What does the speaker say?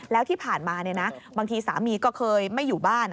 แล้วที่ผ่านมาบางทีสามีก็เคยไม่อยู่บ้าน